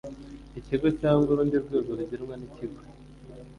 Ikigo cyangwa urundi rwego rugenwa n Ikigo